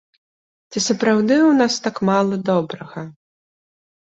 Ці сапраўды ў нас так мала добрага?